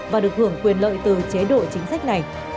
và được hưởng quyền lợi từ chế độ chính sách này